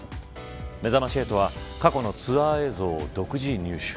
めざまし８は過去のツアー映像を独自入手。